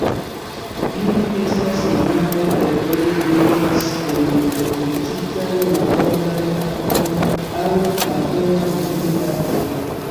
Ili estas migrantaj kaj plej vintras en protektitaj marbordaj akvoj aŭ malfermaj internaj akvoj.